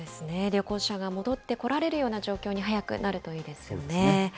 旅行者が戻ってこられるような状況に早くなるといいですよね。